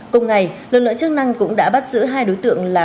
cùng ngày lực lượng chức năng cũng đã bắt giữ hai đối tượng là